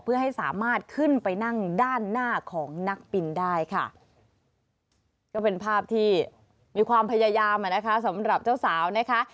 เพื่อให้สามารถขึ้นไปนั่งด้านหน้าของนักบินได้ค่ะก็เป็นภาพที่มีความพยายามอ่ะนะคะสำหรับเจ้าสาวนะคะ